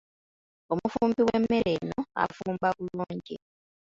Omufumbi w'emmere ono afumba bulungi.